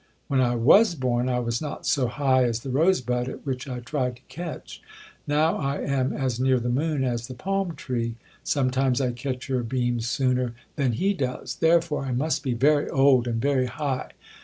When I was born, I was not so high as the rose bud, at which I tried to catch, now I am as near the moon as the palm tree—sometimes I catch her beams sooner than he does, therefore I must be very old, and very high.'